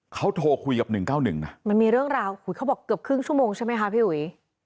เขาโทรคุยกับ๑๙๑นะมันมีเรื่องราวอุ๋ยเขาบอกเกือบครึ่งชั่วโมงใช่ไหมคะพี่อุ๋ย